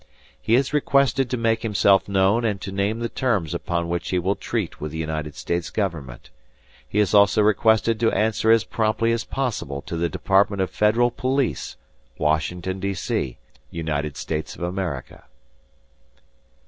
"He is requested to make himself known and to name the terms upon which he will treat with the United States government. He is also requested to answer as promptly as possible to the Department of Federal Police, Washington, D. C., United States of America."